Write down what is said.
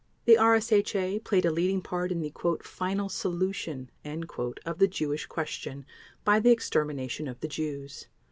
The RSHA played a leading part in the "final solution" of the Jewish question by the extermination of the Jews.